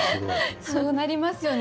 そうなりますよね